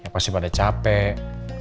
pasti pada capek